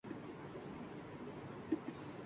یک بار امتحانِ ہوس بھی ضرور ہے